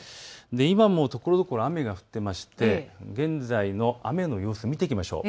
今もところどころ雨が降っていまして、現在の雨の様子、見ていきましょう。